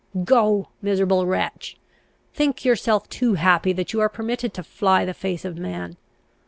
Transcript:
Go, miserable wretch; think yourself too happy that you are permitted to fly the face of man!